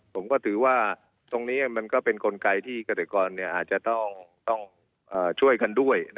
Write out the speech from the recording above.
ผมก็ถือว่าตรงนี้มันก็เป็นกลไกที่เกษตรกรอาจจะต้องช่วยกันด้วย